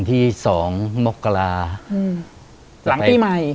ปีใหม่